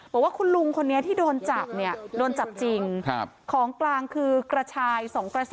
บอกว่าคุณลุงคนนี้ที่โดนจับเนี่ยโดนจับจริงของกลางคือกระชาย๒กระสอบ